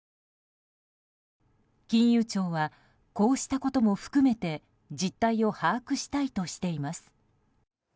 金融庁はこうしたことも含めて実態を把握したいとしています。